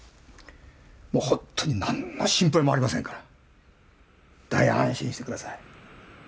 本当に何の心配もありませんから大安心してください